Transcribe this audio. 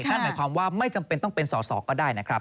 นั่นหมายความว่าไม่จำเป็นต้องเป็นสอสอก็ได้นะครับ